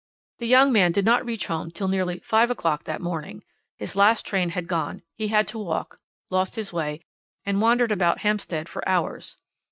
"The young man did not reach home till nearly five o'clock that morning. His last train had gone; he had to walk, lost his way, and wandered about Hampstead for hours.